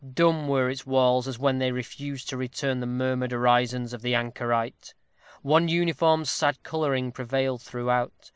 Dumb were its walls as when they refused to return the murmured orisons of the anchorite. One uniform sad coloring prevailed throughout.